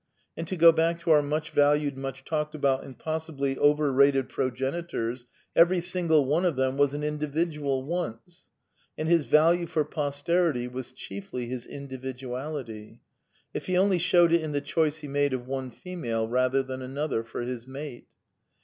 And to go back to our much valued, much talked about, and possibly overrated progenitors, every single one of them was an in dividual once ; and his value for posterity was chiefly his individuality ; if he only showed it in the choice he made of one female rather than another for his mate.